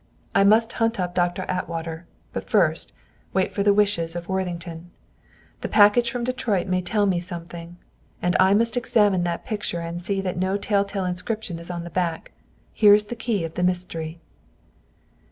"I must hunt up Doctor Atwater; but, first, wait for the wishes of Worthington. The package from Detroit may tell me something. And I must examine that picture and see that no tell tale inscription is on the back. Here is the key of the mystery."